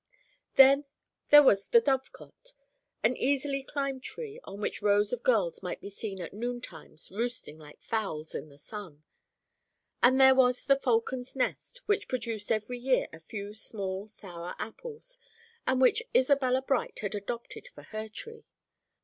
Then there was "The Dove cote," an easily climbed beech, on which rows of girls might be seen at noon times roosting like fowls in the sun. And there was "The Falcon's Nest," which produced every year a few small, sour apples, and which Isabella Bright had adopted for her tree.